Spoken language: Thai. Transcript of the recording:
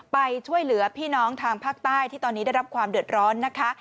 ไปช่วยเหลือพี่น้องทางภาคใต้ที่ตอนนี้ได้รับความเดือดร้อนนะคะ